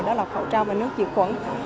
đó là khẩu trang và nước chịu khuẩn